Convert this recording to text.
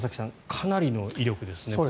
かなりの威力ですね。